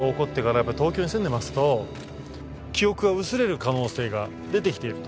東日本大震災が起こってから、やっぱり東京に住んでますと、記憶が薄れる可能性が出てきていると。